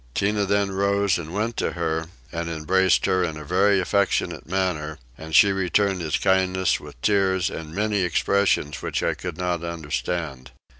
Tinah then rose and went to her, and embraced her in a very affectionate manner; and she returned his kindness with tears and many expressions which I could not understand.